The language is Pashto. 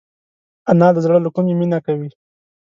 انا د زړه له کومي مینه کوي